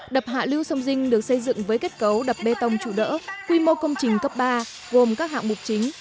đập hạ lưu sông dinh được xây dựng với kết cấu đập bê tông trụ đỡ quy mô công trình cấp ba gồm các hạng mục chính